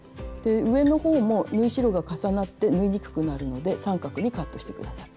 上の方も縫い代が重なって縫いにくくなるので三角にカットして下さい。